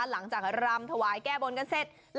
หลังจากรำถวายแก้บนกันเสร็จ